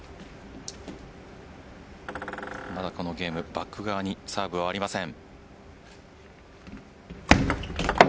まだこのゲーム、バック側にサーブはありません。